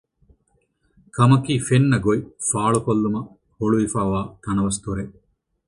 ކަމަކީ ފެންނަ ގޮތް ފައުޅު ކޮށްލުމަށް ހުޅުވިފައިވާ ތަނަވަސް ދޮރެއް